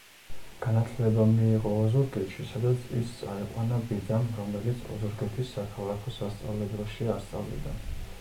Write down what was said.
განათლება მიიღო ოზურგეთში, სადაც ის წაიყვანა ბიძამ, რომელიც ოზურგეთის საქალაქო სასწავლებელში ასწავლიდა.